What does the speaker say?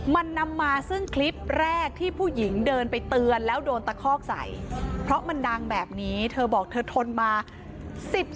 มันนำมาซึ่งคลิปแรกที่ผู้หญิงเดินไปเตือนแล้วโดนตะคอกใส่เพราะมันดังแบบนี้เธอบอกเธอทนมา